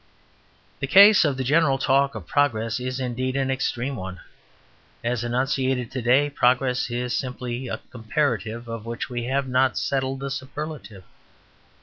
The case of the general talk of "progress" is, indeed, an extreme one. As enunciated today, "progress" is simply a comparative of which we have not settled the superlative.